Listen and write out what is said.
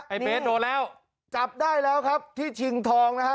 เบสโดนแล้วจับได้แล้วครับที่ชิงทองนะฮะ